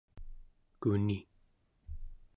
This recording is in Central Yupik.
kuni